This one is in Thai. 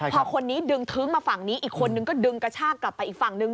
พอคนนี้ดึงทึ้งมาฝั่งนี้อีกคนนึงก็ดึงกระชากกลับไปอีกฝั่งนึง